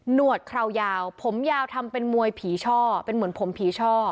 วดคราวยาวผมยาวทำเป็นมวยผีช่อเป็นเหมือนผมผีช่อ